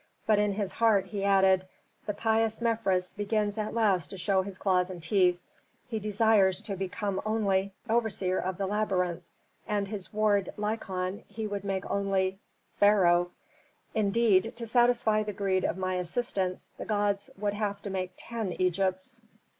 But in his heart he added: "The pious Mefres begins at last to show his claws and teeth. He desires to become only overseer of the labyrinth, and his ward, Lykon, he would make only pharaoh! Indeed, to satisfy the greed of my assistants the gods would have to make ten Egypts."